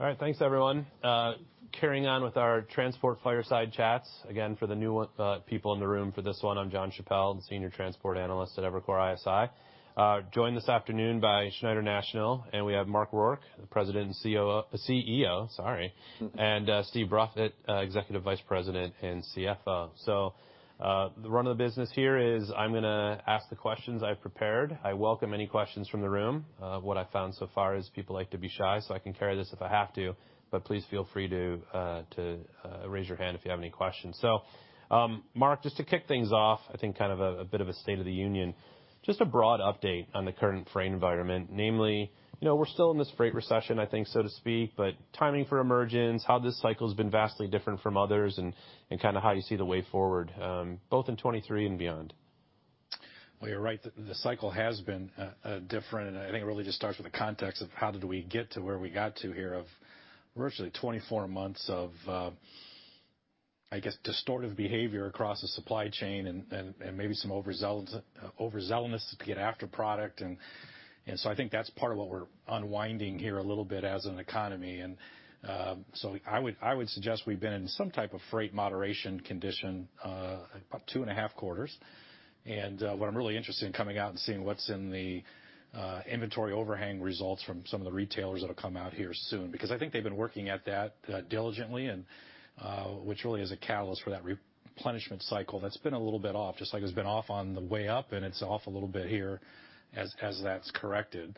All right. Thanks, everyone. Carrying on with our transport fireside chats. Again, for the new people in the room for this one, I'm Jonathan Chappell, the Senior Transport Analyst at Evercore ISI. Joined this afternoon by Schneider National, and we have Mark Rourke, the President and CEO, sorry, and Steve Bruffett, Executive Vice President and CFO. The run of the business here is I'm gonna ask the questions I've prepared. I welcome any questions from the room. What I found so far is people like to be shy, so I can carry this if I have to, but please feel free to raise your hand if you have any questions. Mark, just to kick things off, I think kind of a bit of a state of the union, just a broad update on the current freight environment, namely, you know, we're still in this freight recession, I think, so to speak, but timing for emergence, how this cycle's been vastly different from others, and kinda how you see the way forward, both in 2023 and beyond. Well, you're right. The cycle has been different, I think it really just starts with the context of how did we get to where we got to here of virtually 24 months of, I guess, distortive behavior across the supply chain and maybe some overzealousness to get after product. I think that's part of what we're unwinding here a little bit as an economy. I would suggest we've been in some type of freight moderation condition about two and a half quarters. What I'm really interested in coming out and seeing what's in the inventory overhang results from some of the retailers that'll come out here soon. I think they've been working at that diligently, which really is a catalyst for that replenishment cycle that's been a little bit off, just like it's been off on the way up, and it's off a little bit here as that's corrected.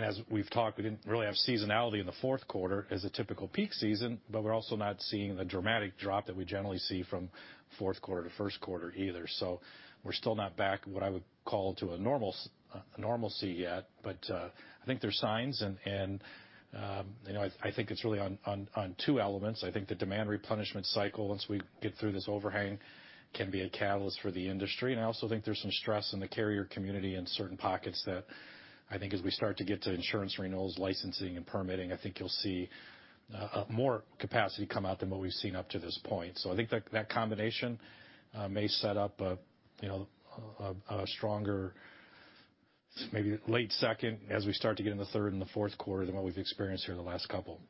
As we've talked, we didn't really have seasonality in the fourth quarter as a typical peak season, but we're also not seeing the dramatic drop that we generally see from fourth quarter to first quarter either. We're still not back what I would call to a normalcy yet, but I think there's signs and, you know, I think it's really on, on two elements. I think the demand replenishment cycle, once we get through this overhang, can be a catalyst for the industry. I also think there's some stress in the carrier community in certain pockets that I think as we start to get to insurance renewals, licensing, and permitting, I think you'll see more capacity come out than what we've seen up to this point. I think that combination may set up a, you know, a stronger, maybe late second as we start to get in the third and the fourth quarter than what we've experienced here in the last couple.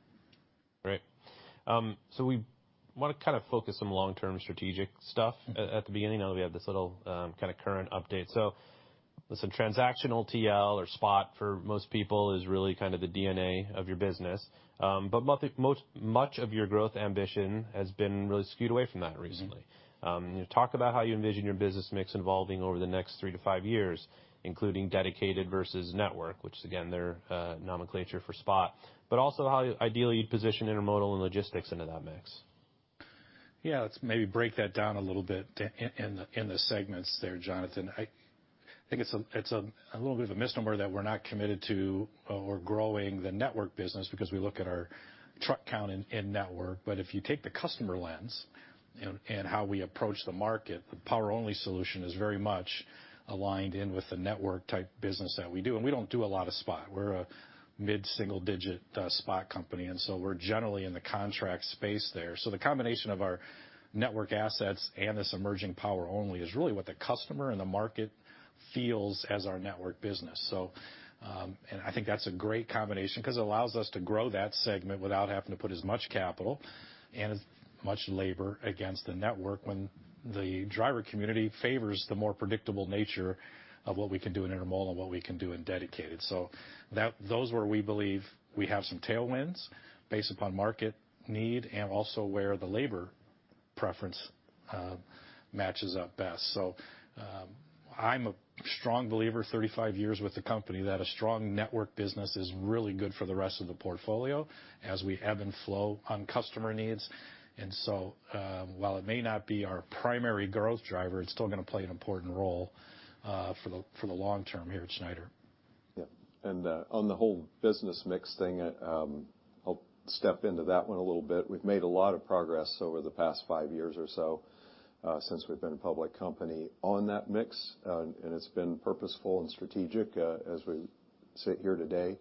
Great. We wanna kinda focus on long-term strategic stuff at the beginning. Now that we have this little, kinda current update. Listen, transactional TL or spot for most people is really kind of the DNA of your business. Much of your growth ambition has been really skewed away from that recently. Mm-hmm. Talk about how you envision your business mix evolving over the next three to five years, including dedicated versus network, which again, they're nomenclature for spot, but also how ideally you'd position intermodal and logistics into that mix. Yeah, let's maybe break that down a little bit in the segments there, Jonathan. I think it's a, it's a little bit of a misnomer that we're not committed to or growing the network business because we look at our truck count in network. If you take the customer lens and how we approach the market, the Power Only solution is very much aligned in with the network type business that we do. We don't do a lot of spot. We're a mid-single digit spot company, and so we're generally in the contract space there. The combination of our network assets and this emerging Power Only is really what the customer and the market feels as our network business. And I think that's a great combination cause it allows us to grow that segment without having to put as much capital and as much labor against the network when the driver community favors the more predictable nature of what we can do in intermodal and what we can do in dedicated. Those where we believe we have some tailwinds based upon market need and also where the labor preference matches up best. I'm a strong believer, 35 years with the company, that a strong network business is really good for the rest of the portfolio as we ebb and flow on customer needs. While it may not be our primary growth driver, it's still gonna play an important role for the, for the long term here at Schneider. Yeah. On the whole business mix thing, I'll step into that one a little bit. We've made a lot of progress over the past five years or so, since we've been a public company on that mix, and it's been purposeful and strategic as we sit here today.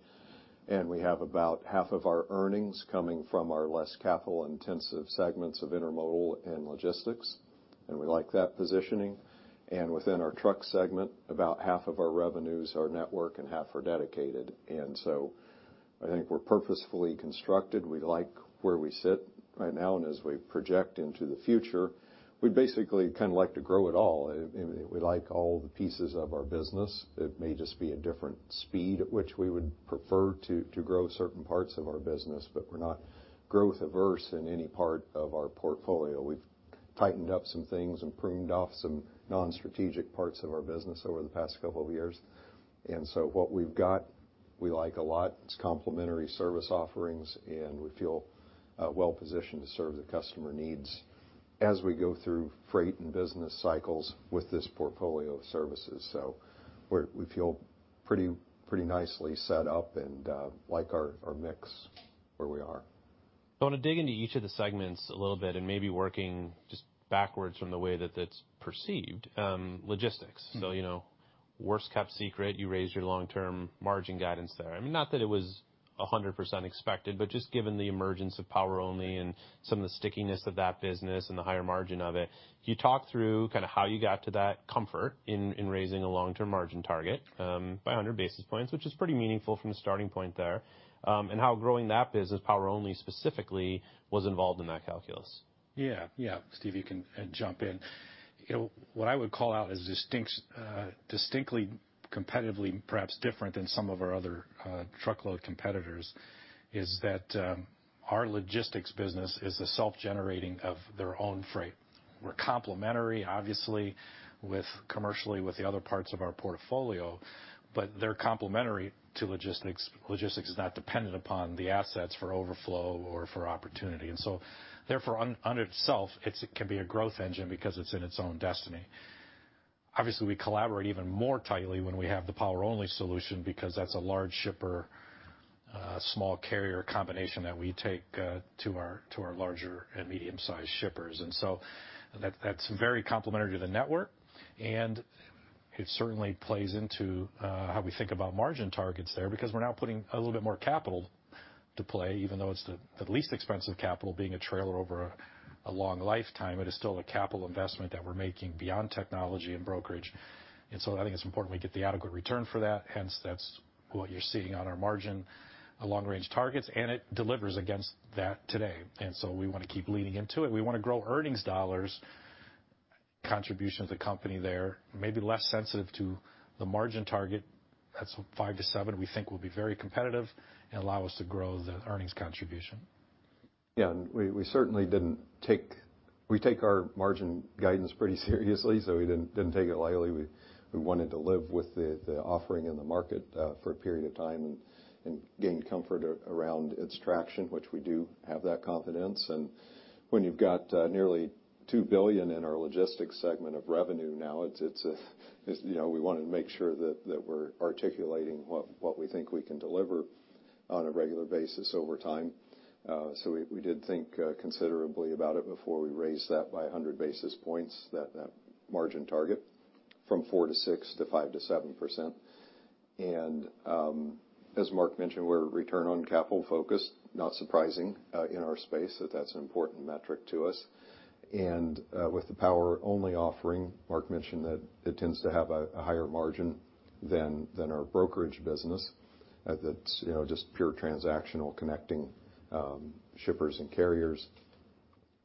We have about half of our earnings coming from our less capital-intensive segments of intermodal and logistics, and we like that positioning. Within our truck segment, about half of our revenues are network and half are dedicated. I think we're purposefully constructed. We like where we sit right now. As we project into the future, we basically kind of like to grow it all. We like all the pieces of our business. It may just be a different speed at which we would prefer to grow certain parts of our business, but we're not growth averse in any part of our portfolio. We've tightened up some things and pruned off some non-strategic parts of our business over the past couple of years. What we've got, we like a lot. It's complementary service offerings, and we feel well-positioned to serve the customer needs as we go through freight and business cycles with this portfolio of services. We feel pretty nicely set up and like our mix where we are. I wanna dig into each of the segments a little bit and maybe working just backwards from the way that that's perceived, logistics. Mm-hmm. You know, worst kept secret, you raised your long-term margin guidance there. I mean, not that it was 100% expected, but just given the emergence of Power Only and some of the stickiness of that business and the higher margin of it, can you talk through kind of how you got to that comfort in raising a long-term margin target by 100 basis points, which is pretty meaningful from the starting point there, and how growing that business Power Only specifically was involved in that calculus. Yeah. Yeah. Steve, you can jump in. You know, what I would call out as distinctly, competitively, perhaps different than some of our other truckload competitors, is that our logistics business is the self-generating of their own freight. We're complementary, obviously, with commercially with the other parts of our portfolio, but they're complementary to logistics. Logistics is not dependent upon the assets for overflow or for opportunity. Therefore, under itself, it's, it can be a growth engine because it's in its own destiny. Obviously, we collaborate even more tightly when we have the Power Only solution because that's a large shipper, small carrier combination that we take to our larger and medium-sized shippers. That's very complementary to the network, and it certainly plays into how we think about margin targets there because we're now putting a little bit more capital to play, even though it's the at least expensive capital, being a trailer over a long lifetime, it is still a capital investment that we're making beyond technology and brokerage. I think it's important we get the adequate return for that. Hence, that's what you're seeing on our margin, a long-range targets, and it delivers against that today. We want to keep leaning into it. We want to grow earnings dollars contribution to the company there, maybe less sensitive to the margin target. That's 5-7%, we think will be very competitive and allow us to grow the earnings contribution. We certainly take our margin guidance pretty seriously, so we didn't take it lightly. We wanted to live with the offering in the market for a period of time and gain comfort around its traction, which we do have that confidence. When you've got nearly $2 billion in our logistics segment of revenue, now it's, you know, we want to make sure that we're articulating what we think we can deliver on a regular basis over time. We did think considerably about it before we raised that by 100 basis points, that margin target from 4%-6%-5%-7%. As Mark mentioned, we're return on capital focused, not surprising in our space that's an important metric to us. With the Power Only offering, Mark mentioned that it tends to have a higher margin than our brokerage business. That's, you know, just pure transactional connecting shippers and carriers.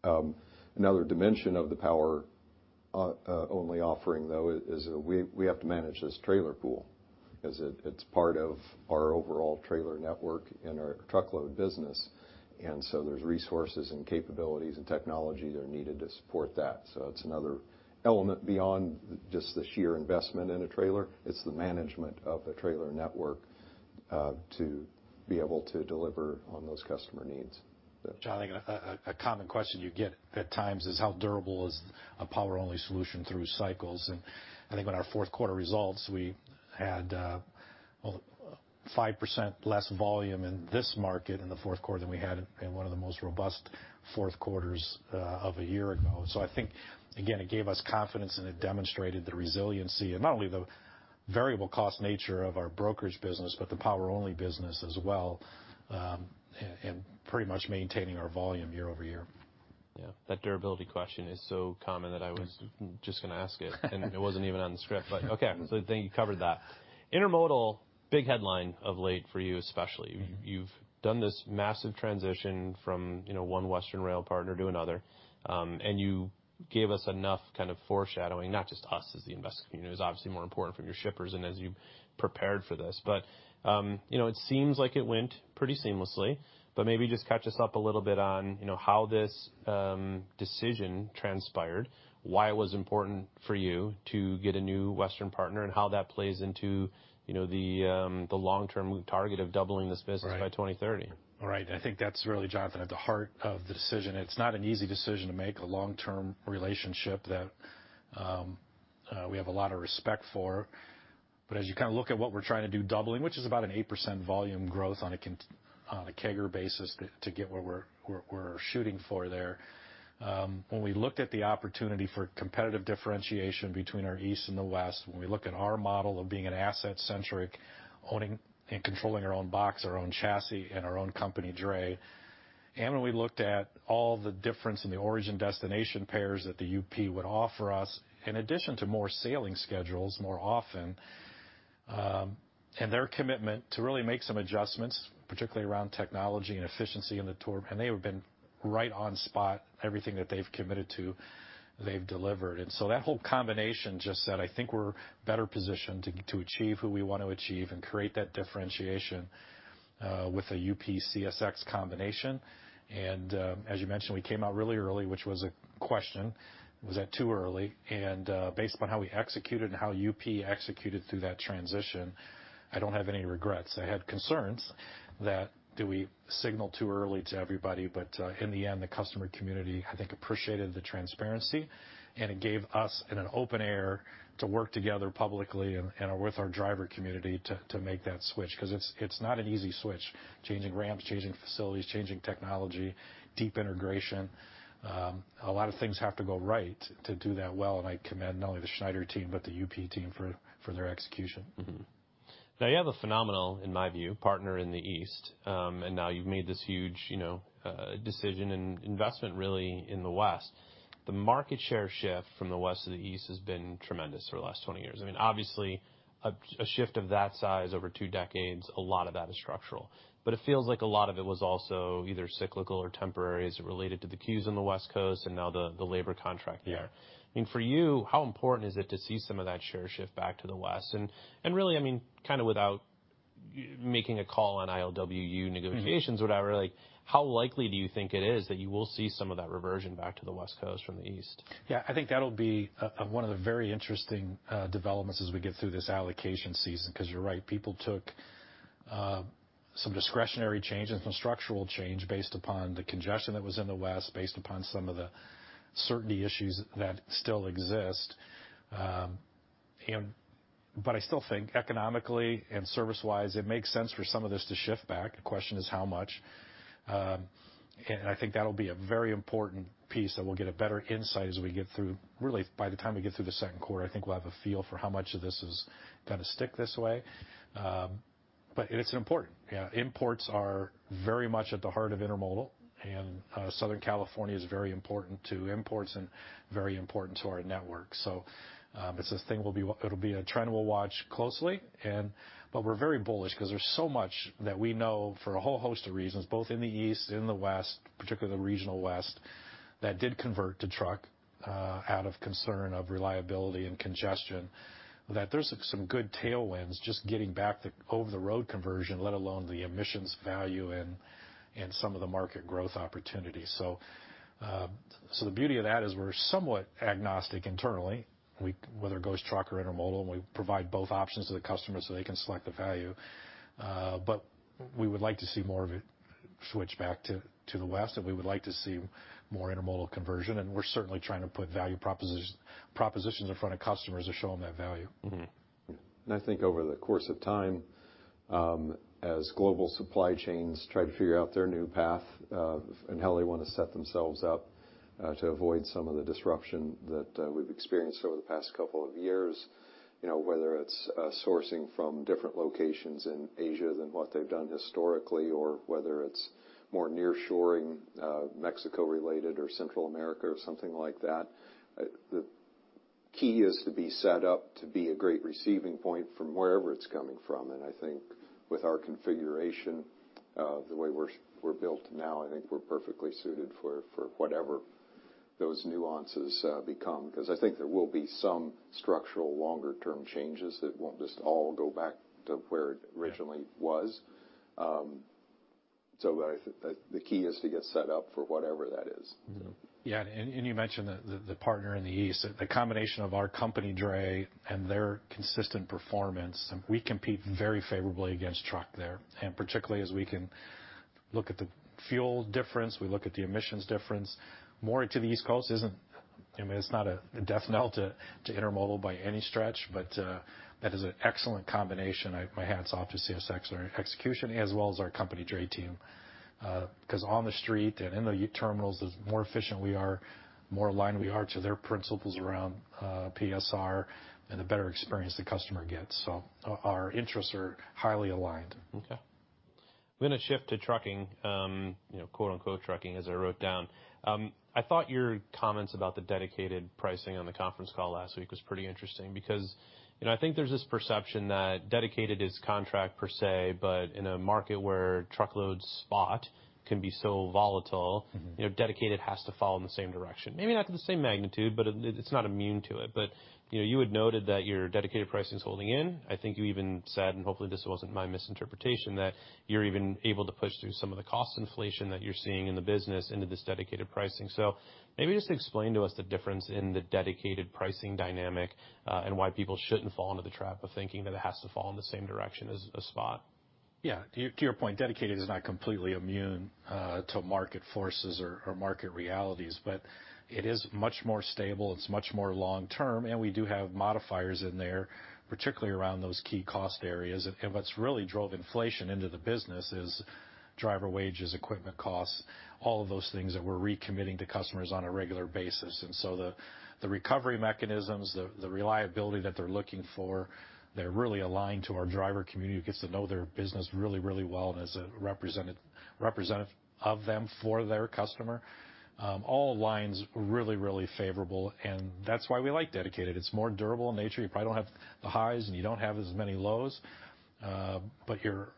Another dimension of the Power Only offering, though, is we have to manage this trailer pool because it's part of our overall trailer network in our truckload business. There's resources and capabilities and technology that are needed to support that. It's another element beyond just the sheer investment in a trailer. It's the management of a trailer network to be able to deliver on those customer needs. John, I think a common question you get at times is how durable is a Power Only solution through cycles. I think in our fourth quarter results, we had, well, 5% less volume in this market in the fourth quarter than we had in one of the most robust fourth quarters of a year ago. I think, again, it gave us confidence, and it demonstrated the resiliency and not only the variable cost nature of our brokerage business, but the Power Only business as well, and pretty much maintaining our volume year-over-year. That durability question is so common that I was just going to ask it wasn't even on the script. Okay, I think you covered that. Intermodal, big headline of late for you, especially. You've done this massive transition from, you know, one Western rail partner to another, you gave us enough kind of foreshadowing, not just us as the investor community, it was obviously more important for your shippers and as you prepared for this. You know, it seems like it went pretty seamlessly. Maybe just catch us up a little bit on, you know, how this decision transpired, why it was important for you to get a new Western partner, and how that plays into, you know, the long-term target of doubling this business by 2030. Right. I think that's really, Jonathan, at the heart of the decision. It's not an easy decision to make a long-term relationship that we have a lot of respect for. As you look at what we're trying to do, doubling, which is about an 8% volume growth on a CAGR basis to get where we're shooting for there. When we looked at the opportunity for competitive differentiation between our East and the West, when we look at our model of being an asset-centric, owning and controlling our own box, our own chassis, and our own company, dray. When we looked at all the difference in the origin destination pairs that the UP would offer us, in addition to more sailing schedules more often, and their commitment to really make some adjustments, particularly around technology and efficiency in the tour. They have been right on spot. Everything that they've committed to, they've delivered. That whole combination just said, I think we're better positioned to achieve who we want to achieve and create that differentiation with a UP CSX combination. As you mentioned, we came out really early, which was a question, was that too early? Based upon how we executed and how UP executed through that transition, I don't have any regrets. I had concerns that, do we signal too early to everybody? In the end, the customer community, I think, appreciated the transparency, and it gave us in an open air to work together publicly and with our driver community to make that switch because it's not an easy switch, changing ramps, changing facilities, changing technology, deep integration. A lot of things have to go right to do that well, and I commend not only the Schneider team, but the UP team for their execution. You have a phenomenal, in my view, partner in the East, and now you've made this huge, you know, decision and investment really in the West. The market share shift from the West to the East has been tremendous for the last 20 years. I mean, obviously a shift of that size over two decades, a lot of that is structural. It feels like a lot of it was also either cyclical or temporary as it related to the queues on the West Coast and now the labor contract there. Yeah. I mean, for you, how important is it to see some of that share shift back to the West? Really, I mean, kind of without making a call on ILWU negotiations, whatever, like how likely do you think it is that you will see some of that reversion back to the West Coast from the East? Yeah, I think that'll be one of the very interesting developments as we get through this allocation season, cause you're right. People took some discretionary changes and some structural change based upon the congestion that was in the West, based upon some of the certainty issues that still exist. I still think economically and service-wise, it makes sense for some of this to shift back. The question is how much. I think that'll be a very important piece that we'll get a better insight as we get through. Really by the time we get through the 2nd quarter, I think we'll have a feel for how much of this is gonna stick this way. It's important. Imports are very much at the heart of intermodal, and Southern California is very important to imports and very important to our network. It'll be a trend we'll watch closely, and we're very bullish cause there's so much that we know for a whole host of reasons, both in the East, in the West, particularly the regional West, that did convert to truck out of concern of reliability and congestion, that there's some good tailwinds just getting back the over-the-road conversion, let alone the emissions value and some of the market growth opportunities. So, the beauty of that is we're somewhat agnostic internally. Whether it goes truck or intermodal, and we provide both options to the customer, so they can select the value. We would like to see more of it switch back to the West, and we would like to see more intermodal conversion, and we're certainly trying to put value propositions in front of customers to show them that value. Mm-hmm. I think over the course of time, as global supply chains try to figure out their new path, and how they want to set themselves up, to avoid some of the disruption that we've experienced over the past couple of years, you know, whether it's sourcing from different locations in Asia than what they've done historically, or whether it's more nearshoring, Mexico-related or Central America or something like that, the key is to be set up to be a great receiving point from wherever it's coming from. I think with our configuration, the way we're built now, I think we're perfectly suited for whatever those nuances become, cause I think there will be some structural longer-term changes that won't just all go back to where it originally was. The key is to get set up for whatever that is. Mm-hmm. You mentioned the partner in the East. The combination of our company, dray, and their consistent performance, we compete very favorably against truck there, particularly as we can look at the fuel difference, we look at the emissions difference. More to the East Coast isn't, I mean, it's not a death knell to intermodal by any stretch, but that is an excellent combination. My hat's off to CSX on their execution as well as our company dray team. Cause on the street and in the terminals, the more efficient we are, the more aligned we are to their principles around PSR and the better experience the customer gets. Our interests are highly aligned. Okay. I'm gonna shift to trucking, you know, quote-unquote, trucking, as I wrote down. I thought your comments about the dedicated pricing on the conference call last week was pretty interesting because, you know, I think there's this perception that dedicated is contract per se, but in a market where truckload spot can be so volatile- Mm-hmm. You know, dedicated has to fall in the same direction. Maybe not to the same magnitude, but it's not immune to it. You know, you had noted that your dedicated pricing is holding in. I think you even said, and hopefully this wasn't my misinterpretation, that you're even able to push through some of the cost inflation that you're seeing in the business into this dedicated pricing. Maybe just explain to us the difference in the dedicated pricing dynamic and why people shouldn't fall into the trap of thinking that it has to fall in the same direction as a spot? Yeah. To your point, dedicated is not completely immune to market forces or market realities, but it is much more stable, it's much more long term, and we do have modifiers in there, particularly around those key cost areas. What's really drove inflation into the business is driver wages, equipment costs, all of those things that we're recommitting to customers on a regular basis. The recovery mechanisms, the reliability that they're looking for, they're really aligned to our driver community who gets to know their business really, really well and is a representative of them for their customer. All aligns really, really favorable, and that's why we like dedicated. It's more durable in nature. You probably don't have the highs, and you don't have as many lows. But your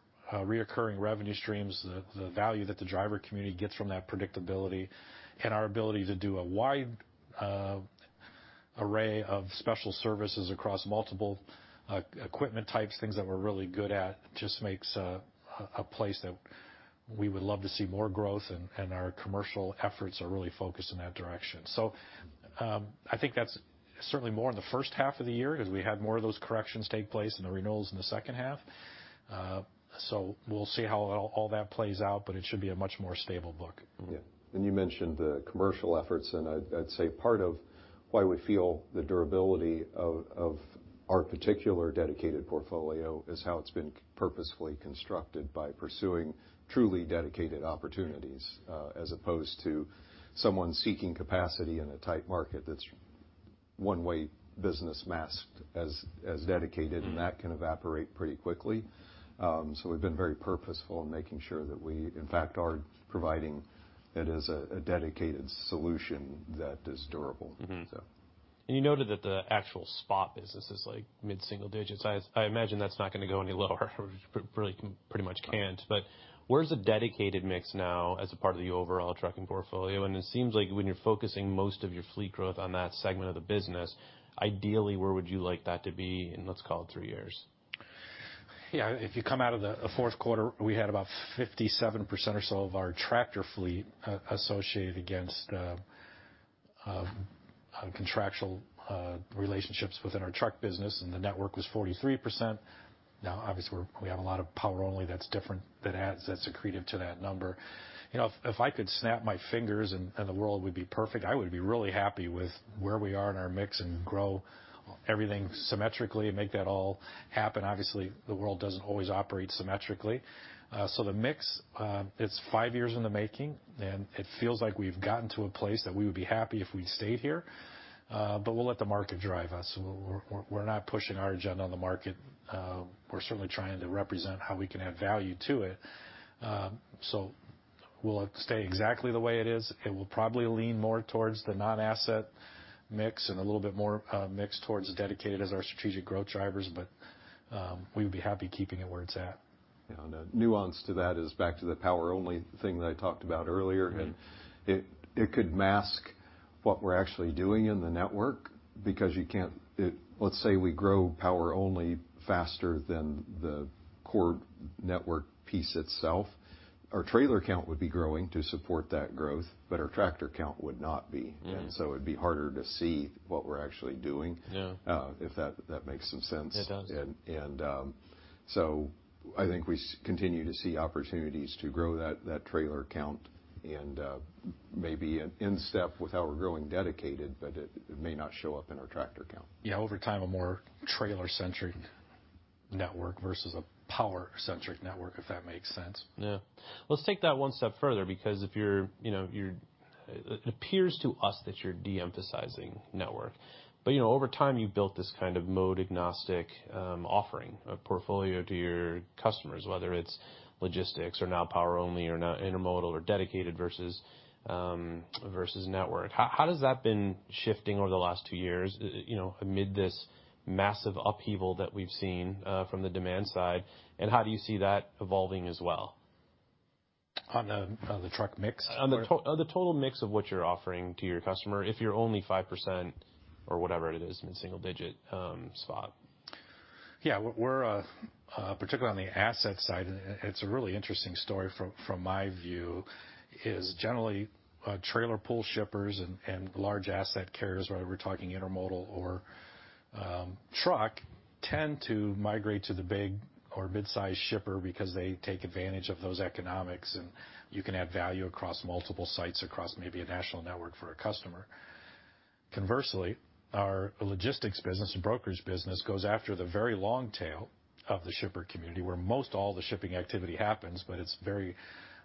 recurring revenue streams, the value that the driver community gets from that predictability and our ability to do a wide array of special services across multiple equipment types, things that we're really good at, just makes a place that we would love to see more growth, and our commercial efforts are really focused in that direction. I think that's certainly more in the first half of the year as we had more of those corrections take place and the renewals in the second half. We'll see how all that plays out, but it should be a much more stable book. Mm-hmm. Yeah. You mentioned the commercial efforts, I'd say part of why we feel the durability of our particular dedicated portfolio is how it's been purposefully constructed by pursuing truly dedicated opportunities, as opposed to someone seeking capacity in a tight market that's One way business masked as dedicated, that can evaporate pretty quickly. We've been very purposeful in making sure that we, in fact, are providing it as a dedicated solution that is durable. Mm-hmm. So. You noted that the actual spot business is, like, mid-single digits. I imagine that's not gonna go any lower. Pretty much can't. Where's the dedicated mix now as a part of the overall trucking portfolio? It seems like when you're focusing most of your fleet growth on that segment of the business, ideally, where would you like that to be in, let's call it, three years? Yeah. If you come out of the fourth quarter, we had about 57% or so of our tractor fleet associated against contractual relationships within our truck business, and the network was 43%. Obviously, we have a lot of Power Only that's different that's accretive to that number. You know, if I could snap my fingers and the world would be perfect, I would be really happy with where we are in our mix and grow everything symmetrically and make that all happen. Obviously, the world doesn't always operate symmetrically. The mix, it's five years in the making, and it feels like we've gotten to a place that we would be happy if we stayed here, but we'll let the market drive us. We're not pushing our agenda on the market. We're certainly trying to represent how we can add value to it. Will it stay exactly the way it is? It will probably lean more towards the non-asset mix and a little bit more mix towards dedicated as our strategic growth drivers. We would be happy keeping it where it's at. You know, the nuance to that is back to the Power Only thing that I talked about earlier. Mm-hmm. It could mask what we're actually doing in the network because Let's say we grow Power Only faster than the core network piece itself. Our trailer count would be growing to support that growth, but our tractor count would not be. Mm-hmm. it'd be harder to see what we're actually doing. Yeah. If that makes some sense. It does. I think we continue to see opportunities to grow that trailer count and, maybe in step with how we're growing dedicated, but it may not show up in our tractor count. Yeah. Over time, a more trailer-centric network versus a power-centric network, if that makes sense. Yeah. Let's take that one step further because if you're, you know, It appears to us that you're de-emphasizing network. You know, over time, you built this kind of mode agnostic, offering, a portfolio to your customers, whether it's logistics or now Power Only or now intermodal or dedicated versus network. How has that been shifting over the last two years, you know, amid this massive upheaval that we've seen from the demand side, and how do you see that evolving as well? On the truck mix. On the total mix of what you're offering to your customer if you're only 5% or whatever it is in single digit, spot? Yeah. We're particularly on the asset side, it's a really interesting story from my view, is generally, trailer pool shippers and large asset carriers, whether we're talking intermodal or truck, tend to migrate to the big or midsize shipper because they take advantage of those economics, and you can add value across multiple sites across maybe a national network for a customer. Conversely, our logistics business and brokerage business goes after the very long tail of the shipper community, where most all the shipping activity happens, but it's very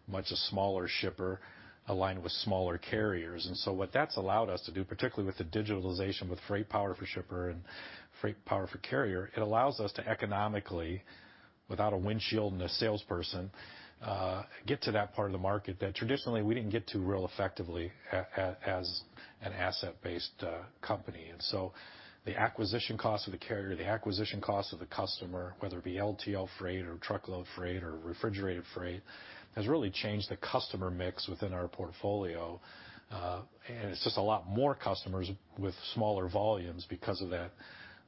much a smaller shipper aligned with smaller carriers. What that's allowed us to do, particularly with the digitalization with FreightPower for Shippers and FreightPower for Carriers, it allows us to economically, without a windshield and a salesperson, get to that part of the market that traditionally we didn't get to real effectively as an asset-based company. The acquisition cost of the carrier, the acquisition cost of the customer, whether it be LTL freight or truckload freight or refrigerated freight, has really changed the customer mix within our portfolio. And it's just a lot more customers with smaller volumes because of that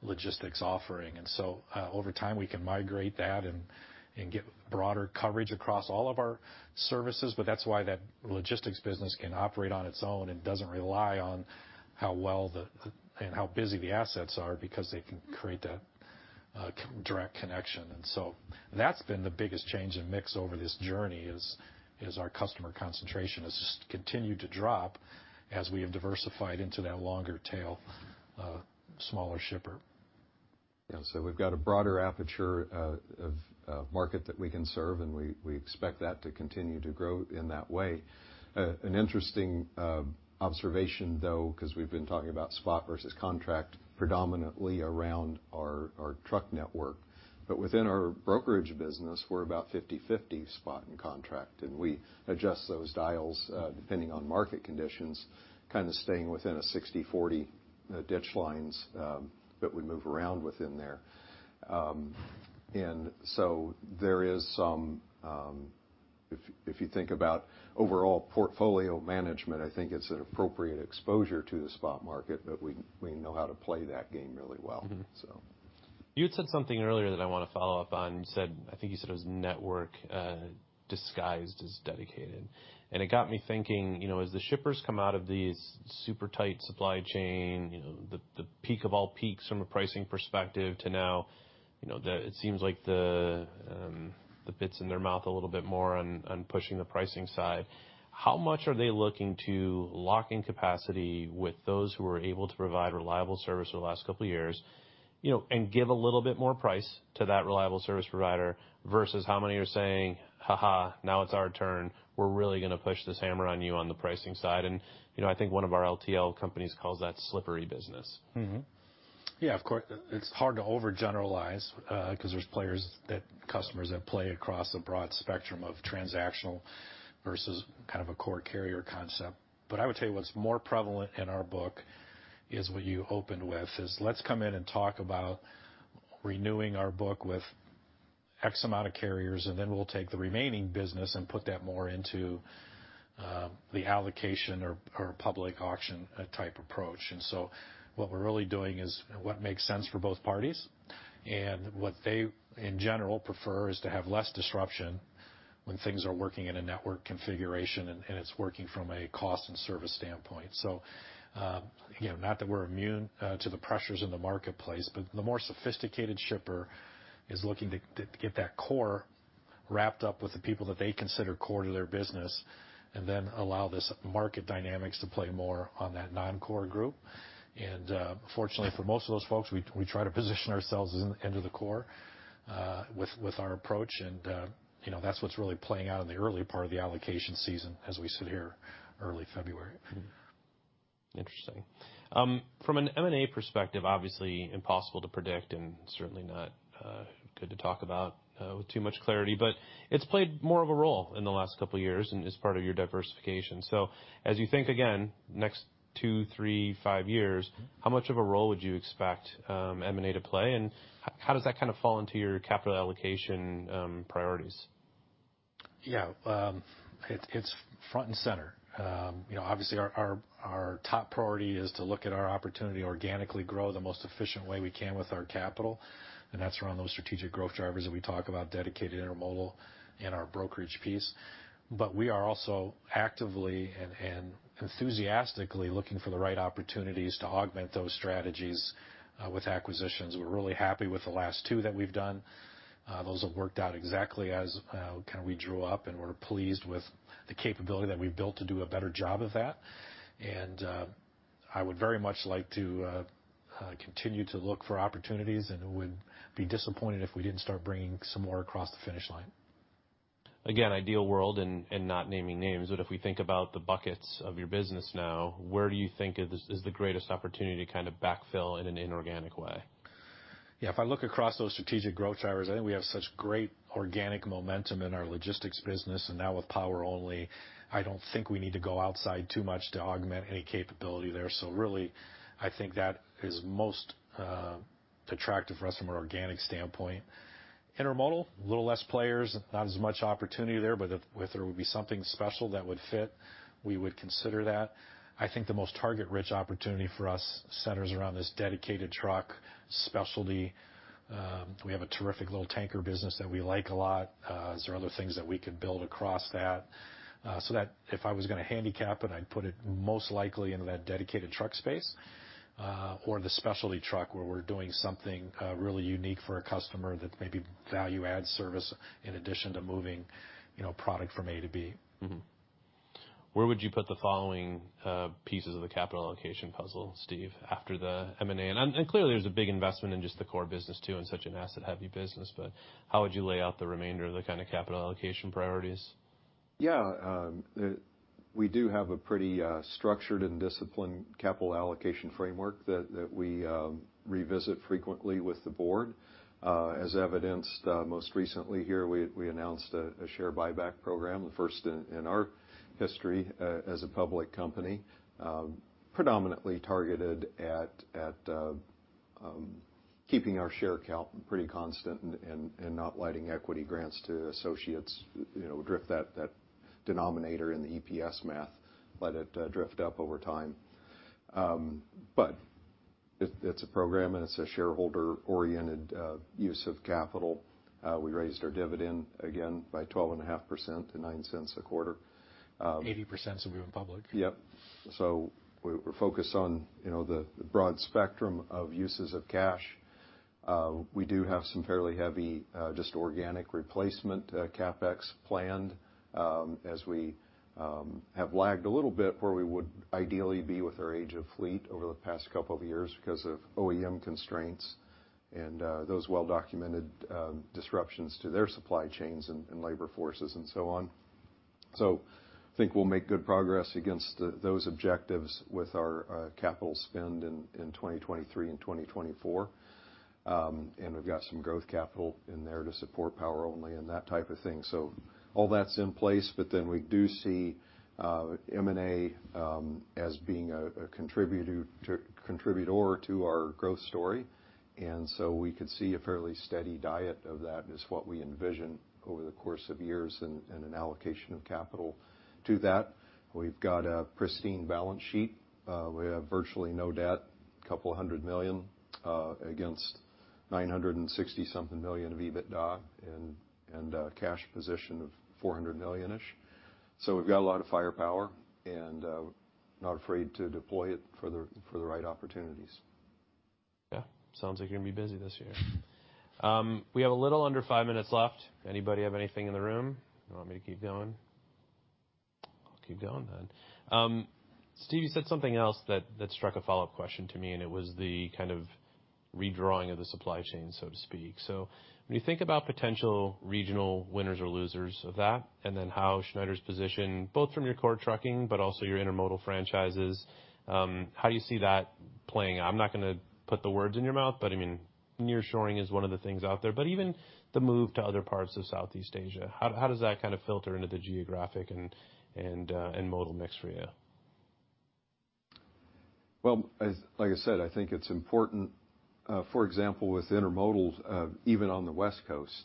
logistics offering. Over time, we can migrate that and get broader coverage across all of our services, but that's why that logistics business can operate on its own and doesn't rely on how well the and how busy the assets are because they can create that direct connection. That's been the biggest change in mix over this journey, is our customer concentration has just continued to drop as we have diversified into that longer tail, smaller shipper. We've got a broader aperture of market that we can serve, and we expect that to continue to grow in that way. An interesting observation, though, cause we've been talking about spot versus contract predominantly around our truck network. Within our brokerage business, we're about 50/50 spot and contract, and we adjust those dials depending on market conditions, kind of staying within a 60/40 ditch lines, but we move around within there. If you think about overall portfolio management, I think it's an appropriate exposure to the spot market, but we know how to play that game really well. Mm-hmm. So. You had said something earlier that I wanna follow up on. You said, I think you said it was network disguised as dedicated. It got me thinking, you know, as the shippers come out of these super tight supply chain, you know, the peak of all peaks from a pricing perspective to now, you know, it seems like the bit's in their mouth a little bit more on pushing the pricing side. How much are they looking to lock in capacity with those who are able to provide reliable service over the last couple years? You know, give a little bit more price to that reliable service provider versus how many are saying, "Ha-ha, now it's our turn? We're really gonna push this hammer on you on the pricing side." You know, I think one of our LTL companies calls that slippery business. Yeah, of course. It's hard to overgeneralize, cause there's customers that play across a broad spectrum of transactional versus kind of a core carrier concept. I would tell you what's more prevalent in our book is what you opened with, is let's come in and talk about renewing our book with X amount of carriers, then we'll take the remaining business and put that more into the allocation or public auction type approach. What we're really doing is what makes sense for both parties. What they, in general, prefer is to have less disruption when things are working in a network configuration, and it's working from a cost and service standpoint. You know, not that we're immune to the pressures in the marketplace, but the more sophisticated shipper is looking to get that core wrapped up with the people that they consider core to their business and then allow this market dynamics to play more on that non-core group. Fortunately for most of those folks, we try to position ourselves into the core with our approach, and, you know, that's what's really playing out in the early part of the allocation season as we sit here early February. Interesting. From an M&A perspective, obviously impossible to predict and certainly not good to talk about with too much clarity, but it's played more of a role in the last couple years and is part of your diversification. As you think again next two, three, five years. Mm-hmm. How much of a role would you expect, M&A to play, and how does that kind of fall into your capital allocation, priorities? Yeah. It's front and center. You know, obviously our top priority is to look at our opportunity organically grow the most efficient way we can with our capital, and that's around those strategic growth drivers that we talk about, dedicated intermodal and our brokerage piece. We are also actively and enthusiastically looking for the right opportunities to augment those strategies with acquisitions. We're really happy with the last two that we've done. Those have worked out exactly as kind of we drew up, and we're pleased with the capability that we've built to do a better job of that. I would very much like to continue to look for opportunities and would be disappointed if we didn't start bringing some more across the finish line. Ideal world and not naming names, but if we think about the buckets of your business now, where do you think is the greatest opportunity to kind of backfill in an inorganic way? Yeah. If I look across those strategic growth drivers, I think we have such great organic momentum in our logistics business, and now with Power Only, I don't think we need to go outside too much to augment any capability there. Really, I think that is most attractive for us from an organic standpoint. Intermodal, a little less player, not as much opportunity there, but if there would be something special that would fit, we would consider that. I think the most target-rich opportunity for us centers around this dedicated truck specialty. We have a terrific little tanker business that we like a lot. Is there other things that we could build across that? That if I was gonna handicap it, I'd put it most likely into that dedicated truck space, or the specialty truck, where we're doing something, really unique for a customer that may be value add service in addition to moving, you know, product from A to B. Where would you put the following pieces of the capital allocation puzzle, Steve, after the M&A? Clearly, there's a big investment in just the core business too in such an asset heavy business, how would you lay out the remainder of the kind of capital allocation priorities? Yeah. We do have a pretty structured and disciplined capital allocation framework that we revisit frequently with the board. As evidenced most recently here, we announced a share buyback program, the first in our history as a public company, predominantly targeted at keeping our share count pretty constant and not letting equity grants to associates, you know, drift that denominator in the EPS math, let it drift up over time. It's a program, and it's a shareholder-oriented use of capital. We raised our dividend again by 12.5% to $0.09 a quarter. 80% since we went public. Yep. We're, we're focused on, you know, the broad spectrum of uses of cash. We do have some fairly heavy, just organic replacement, CapEx planned, as we have lagged a little bit where we would ideally be with our age of fleet over the past couple of years because of OEM constraints and those well-documented disruptions to their supply chains and labor forces and so on. Think we'll make good progress against those objectives with our capital spend in 2023 and 2024. We've got some growth capital in there to support power only and that type of thing. All that's in place, we do see M&A as being a contributor to our growth story. We could see a fairly steady diet of that is what we envision over the course of years and an allocation of capital to that. We've got a pristine balance sheet. We have virtually no debt, $200 million, against $960 something million of EBITDA and a cash position of $400 million-ish. We've got a lot of firepower, not afraid to deploy it for the right opportunities. Yeah. Sounds like you're gonna be busy this year. We have a little under five minutes left. Anybody have anything in the room? You want me to keep going? I'll keep going. Steve, you said something else that struck a follow-up question to me, and it was the kind of redrawing of the supply chain, so to speak. When you think about potential regional winners or losers of that, and then how Schneider is positioned, both from your core trucking but also your intermodal franchises, how do you see that playing out? I'm not gonna put the words in your mouth, but I mean, nearshoring is one of the things out there. Even the move to other parts of Southeast Asia, how does that kind of filter into the geographic and modal mix for you? Well, like I said, I think it's important, for example, with intermodal, even on the West Coast,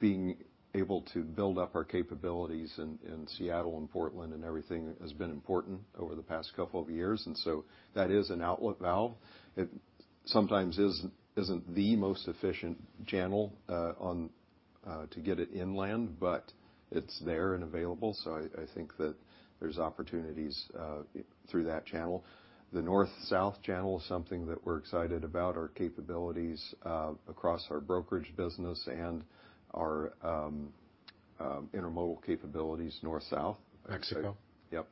being able to build up our capabilities in Seattle and Portland and everything has been important over the past couple of years. That is an outlet valve. It sometimes isn't the most efficient channel on to get it inland, but it's there and available, so I think that there's opportunities through that channel. The North-South channel is something that we're excited about. Our capabilities across our brokerage business and our intermodal capabilities North-South. Mexico. Yep.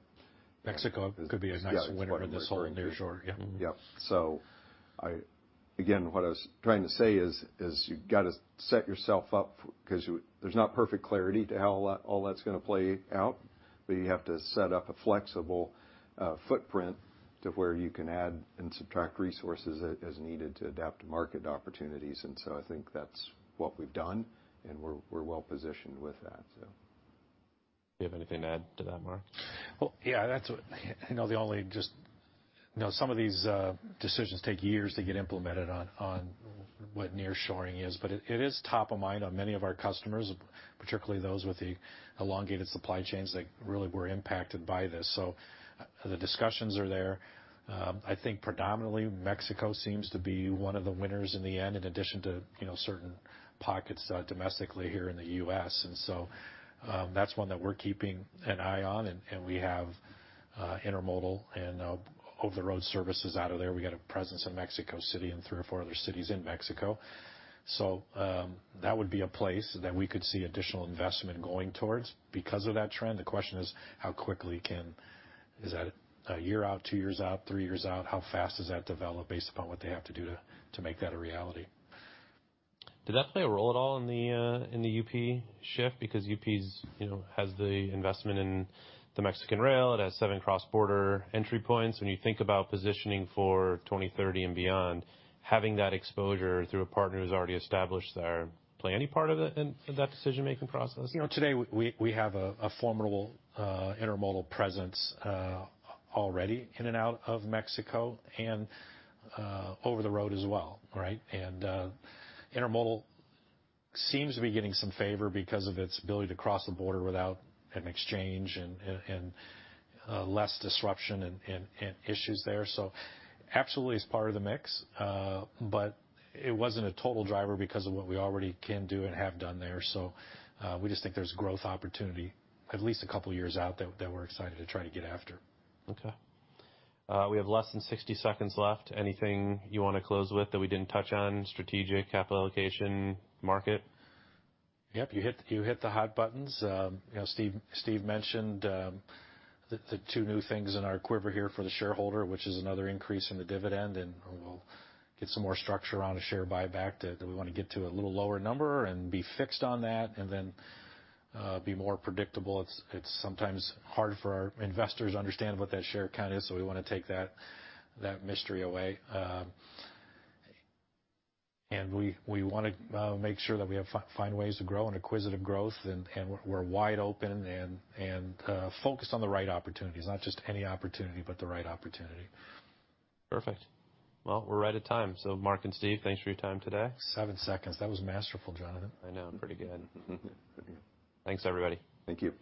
Mexico could be a nice winner. Yeah, it's one we're looking at. In this whole nearshoring. Yep. Yeah. Again, what I was trying to say is you've got to set yourself up there's not perfect clarity to how all that's gonna play out. You have to set up a flexible footprint to where you can add and subtract resources as needed to adapt to market opportunities. I think that's what we've done, and we're well-positioned with that, so. Do you have anything to add to that, Mark? Well, yeah. That's you know, the only You know, some of these decisions take years to get implemented on what nearshoring is, but it is top of mind on many of our customers, particularly those with the elongated supply chains that really were impacted by this. The discussions are there. I think predominantly Mexico seems to be one of the winners in the end, in addition to, you know, certain pockets, domestically here in the U.S. That's one that we're keeping an eye on and we have intermodal and over-the-road services out of there. We got a presence in Mexico City and three or four other cities in Mexico. That would be a place that we could see additional investment going towards because of that trend. The question is how quickly can. Is that a year out, two years out, three years out? How fast does that develop based upon what they have to do to make that a reality? Did that play a role at all in the in the UP shift? Because UP's, you know, has the investment in the Mexican rail. It has seven cross-border entry points. When you think about positioning for 2030 and beyond, having that exposure through a partner who's already established there play any part in that decision-making process? You know, today we have a formidable intermodal presence already in and out of Mexico and over the road as well, right? Intermodal seems to be getting some favor because of its ability to cross the border without an exchange and less disruption and issues there. Absolutely it's part of the mix. But it wasn't a total driver because of what we already can do and have done there. We just think there's growth opportunity, at least a couple of years out that we're excited to try to get after. Okay. We have less than 60 seconds left. Anything you wanna close with that we didn't touch on, strategic, capital allocation, market? Yep. You hit the hot buttons. You know, Steve mentioned, the two new things in our quiver here for the shareholder, which is another increase in the dividend, and we'll get some more structure around a share buyback that we wanna get to a little lower number and be fixed on that and then be more predictable. It's sometimes hard for our investors to understand what that share count is, so we wanna take that mystery away. We wanna make sure that we find ways to grow and acquisitive growth, and we're wide open and focused on the right opportunities. Not just any opportunity, but the right opportunity. Perfect. Well, we're right at time. Mark and Steve, thanks for your time today. Seven seconds. That was masterful, Jonathan. I know. I'm pretty good. Thanks, everybody. Thank you.